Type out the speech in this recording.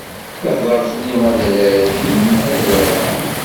Tehdeṛ fell-i adrar-in adrar-a.